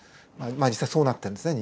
まあ実際そうなってるんですね